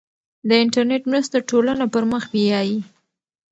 د انټرنیټ مرسته ټولنه پرمخ بیايي.